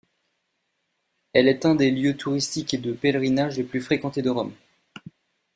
Elle est un des lieux touristiques et de pèlerinage les plus fréquentés de Rome.